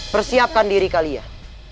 persiapkan diri kalian